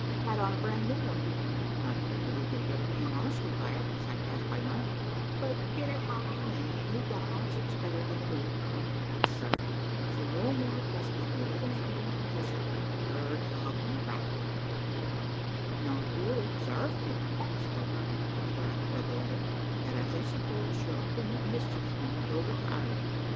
had on a bran new one not that I believe that he ever came honestly by it, as I have by mine but, get it how you may, a new gown always looks better than an ould one, that's certain. So no more at present from your loving friend and confessor, "Urtagh McGrath." "Now, you'll observe, Peter," said O'Brien, after I had read the letter, "that, as I supposed, your uncle meant mischief when he went over to Ireland.